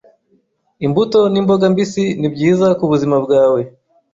Imbuto n'imboga mbisi nibyiza kubuzima bwawe.